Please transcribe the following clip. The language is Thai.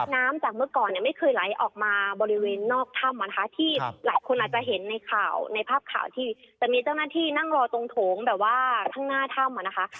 น้ำจากเมื่อก่อนเนี่ยไม่เคยไหลออกมาบริเวณนอกถ้ำอ่ะนะคะที่หลายคนอาจจะเห็นในข่าวในภาพข่าวที่จะมีเจ้าหน้าที่นั่งรอตรงโถงแบบว่าข้างหน้าถ้ำอ่ะนะคะ